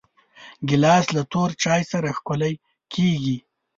ګیلاس له تور چای سره ښکلی کېږي.